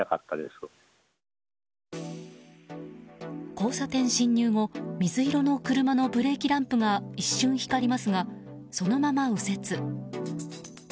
交差点進入後水色の車のブレーキランプが一瞬光りますが、そのまま右折。